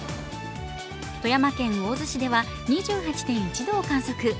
富山県魚津市では２８．１度を観測。